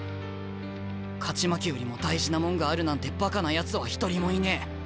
勝ち負けよりも大事なもんがあるなんてバカなやつは一人もいねえ。